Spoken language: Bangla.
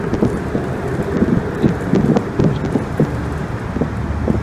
দৈনন্দিন জীবনে ব্যবহারিক ইংরেজি শেখার ক্ষেত্রে বইটি বেশ কার্যকর ভূমিকা রাখবে।